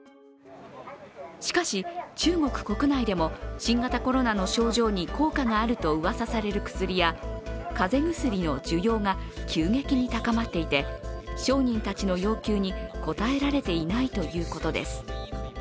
しかし、中国国内でも新型コロナの症状に効果があるとうわさされる薬や風邪薬の需要が急激に高まっていて商人たちの要求に応えられていないということです。